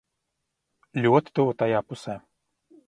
Ļoti tuvu tajā pusē.